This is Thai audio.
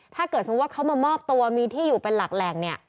ถ้าเกิดสมมุติเขามามอบตัวมีที่อยู่เป็นหลักแหล่งเนี่ย